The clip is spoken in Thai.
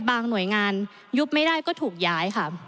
แต่บางหน่วยงานยุบไม่ได้ก็ถูกย้าย